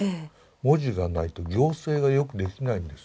文字がないと行政がよくできないんです。